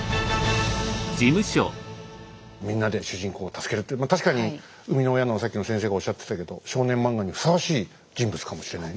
みんなで主人公を助けるっていう確かに生みの親のさっきの先生がおっしゃってたけど少年漫画にふさわしい人物かもしれないね。